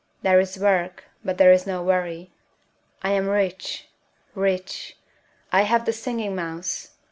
There is work, but there is no worry.... I am rich, rich! I have the Singing Mouse.